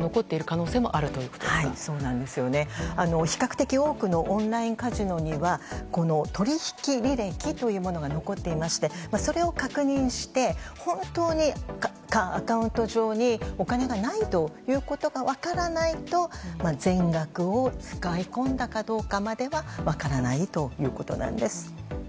比較的多くのオンラインカジノにはこの取引履歴というものが残っていましてそれを確認して本当にアカウント上にお金がないということが分からないと全額を使い込んだかまでは分からないということなんです。